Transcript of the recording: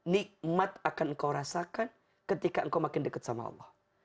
nikmat akan engkau rasakan ketika engkau makin dekat sama allah